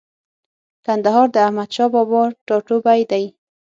کندهار د احمدشاه بابا ټاټوبۍ دی.